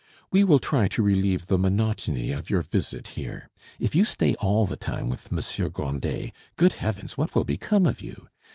We will try to relieve the monotony of your visit here. If you stay all the time with Monsieur Grandet, good heavens! what will become of you?